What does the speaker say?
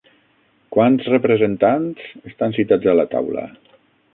Quants representats estan citats a la Taula?